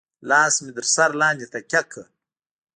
لاس مې تر سر لاندې تکيه کړه.